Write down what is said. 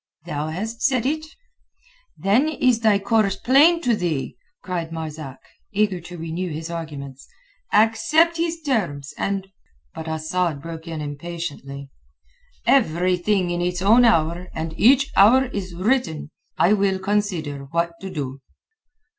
"Thou hast said it." "Then is thy course plain to thee!" cried Marzak, eager to renew his arguments. "Accept his terms, and...." But Asad broke in impatiently. "Every thing in its own hour and each hour is written. I will consider what to do."